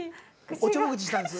◆おちょぼ口にしたんです。